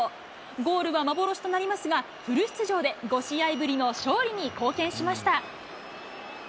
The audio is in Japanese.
ゴールは幻となりますが、フル出場で５試合ぶりの勝利に貢献しました。